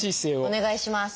お願いします。